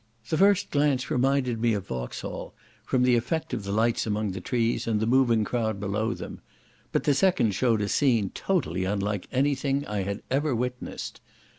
The first glance reminded me of Vauxhall, from the effect of the lights among the trees, and the moving crowd below them; but the second shewed a scene totally unlike any thing I had ever witnessed.